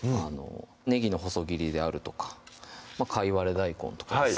ねぎの細切りであるとか貝割れ大根とかですね